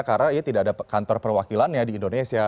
karena ya tidak ada kantor perwakilan ya di indonesia